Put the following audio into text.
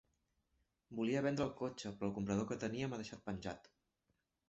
Volia vendre el cotxe, però el comprador que tenia m'ha deixat penjat.